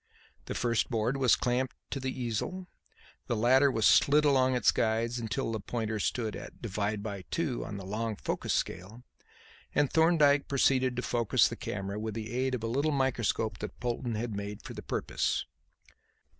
The first board was clamped to the easel, the latter was slid along its guides until the pointer stood at ÷ 2 on the long focus scale and Thorndyke proceeded to focus the camera with the aid of a little microscope that Polton had made for the purpose.